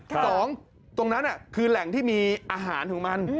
ตรงนั้นคือแหล่งที่มีอาหารของมัน